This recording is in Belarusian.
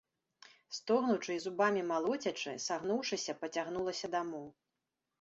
Стогнучы і зубамі малоцячы, сагнуўшыся, пацягнулася дамоў.